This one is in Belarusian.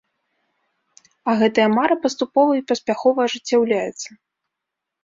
А гэтая мара паступова і паспяхова ажыццяўляецца.